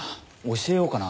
教えようかな？